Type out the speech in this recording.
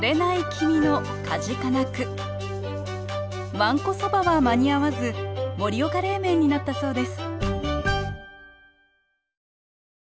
わんこそばは間に合わず盛岡冷麺になったそうです